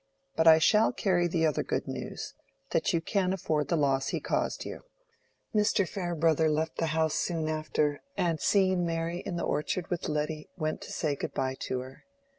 But I shall carry the other good news—that you can afford the loss he caused you." Mr. Farebrother left the house soon after, and seeing Mary in the orchard with Letty, went to say good by to her.